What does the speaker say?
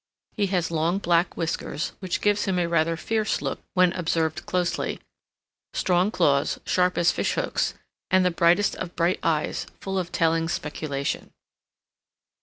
He has long black whiskers, which gives him a rather fierce look when observed closely, strong claws, sharp as fish hooks, and the brightest of bright eyes, full of telling speculation.